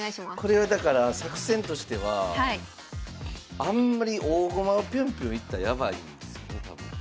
これはだから作戦としてはあんまり大駒をぴゅんぴゅんいったらやばいんですよね多分。